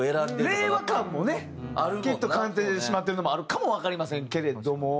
令和感もねきっと感じてしまってるのもあるかもわかりませんけれども。